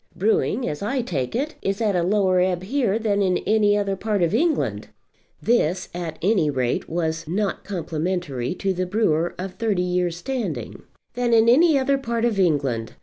Brewing, as I take it, is at a lower ebb here than in any other part of England," this at any rate was not complimentary to the brewer of thirty years' standing "than in any other part of England.